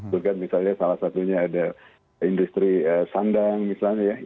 juga misalnya salah satunya ada industri sandang misalnya ya